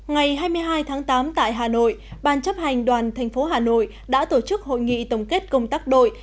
ngày hai mươi hai tháng tám tại hà nội ban chấp hành đoàn thành phố hà nội đã tổ chức hội nghị tổng kết công tác đội